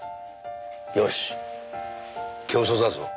よしっ競争だぞ。